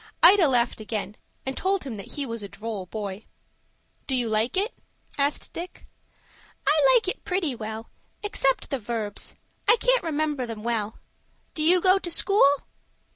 Ida laughed again, and told him that he was a droll boy. "Do you like it?" asked Dick. "I like it pretty well, except the verbs. I can't remember them well. Do you go to school?"